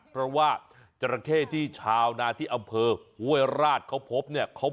เพราะว่าจระเข้ชาวนาธิอาเผอเฮอร์ราชเขาพบ